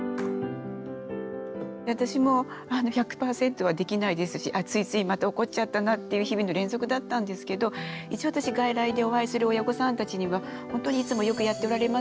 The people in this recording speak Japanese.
私も１００％はできないですしついついまた怒っちゃったなっていう日々の連続だったんですけど一応私外来でお会いする親御さんたちには本当にいつもよくやっておられますね。